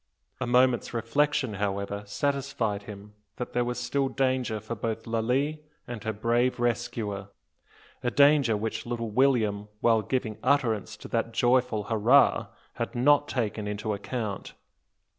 A moment's reflection, however, satisfied him that there was still danger both for Lalee and her brave rescuer, a danger which little William while giving utterance to that joyful "Hurrah!" had not taken into account.